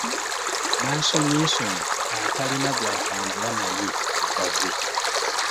Mansonyisonyi atalina gw'atambaala ye Lugave